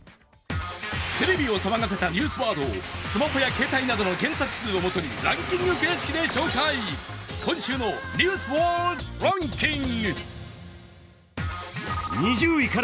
テレビを騒がせたニュースワードをスマホや携帯などの検索数をもとにランキング形式で紹介、今週の「ニュースワードランキング」。